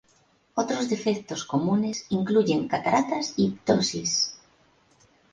Otros defectos comunes incluyen cataratas y ptosis.